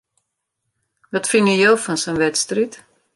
Wat fine jo fan sa'n wedstriid?